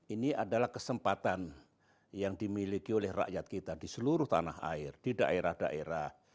ini adalah kesempatan yang dimiliki oleh rakyat kita di seluruh tanah air di daerah daerah